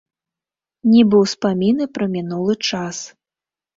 Нібы ўспаміны пра мінулы час.